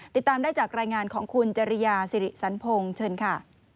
ติดตามได้จากรายงานของคุณจริยาสิริสันพงศ์เชิญค่ะ